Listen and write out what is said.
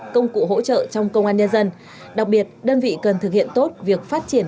công cụ hỗ trợ trong công an nhân dân đặc biệt đơn vị cần thực hiện tốt việc phát triển